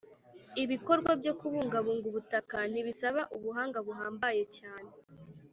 Ibikorwa byo kubungabunga ubutaka ntibisaba ubuhanga buhambaye cyane